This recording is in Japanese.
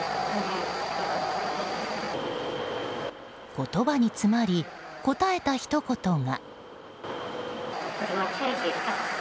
言葉に詰まり答えたひと言が。